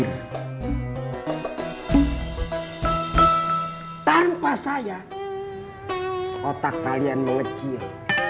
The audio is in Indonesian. tanpa saya otak kalian mengecil